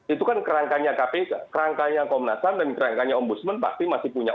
itu kan kerangkanya kpk kerangkanya komnas ham dan kerangkanya ombudsman pasti masih punya